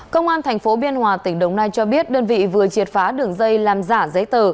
công an tp biên hòa tỉnh đồng nai cho biết đơn vị vừa triệt phá đường dây làm giả giấy tờ